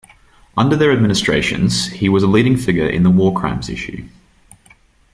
Under their administrations, he was a leading figure in the war crimes issue.